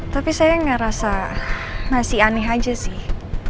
tapi saya ngerasa masih aneh aja sih